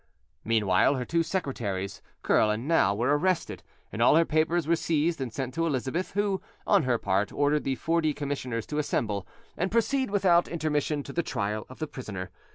Meanwhile, her two secretaries, Curle and Nau, were arrested, and all her papers were seized and sent to Elizabeth, who, on her part, ordered the forty commissioners to assemble, and proceed without intermission to the trial of the prisoner.